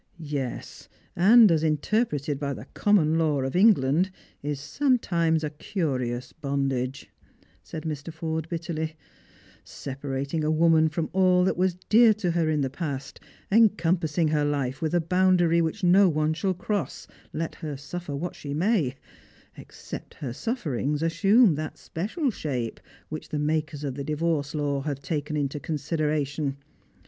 "Yes; and as interpreted by the common law of England is sometimes a curious bondage," said Mr. Forde bitterly ;" sepa rating a woman from all that was dear to her in the past, en compassing her life with a, boundary which no one shall cross — let her suffer what she may — except her sufferings assume tliat special shape which the makers of the divorce law have taken into consideration.